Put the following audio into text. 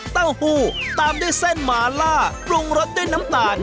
เต้าหู้ตามด้วยเส้นหมาล่าปรุงรสด้วยน้ำตาล